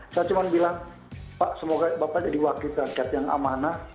saya cuma bilang pak semoga bapak jadi wakil rakyat yang amanah